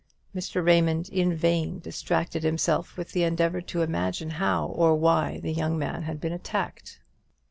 Mr. Raymond in vain distracted himself with the endeavour to imagine how or why the young man had been attacked.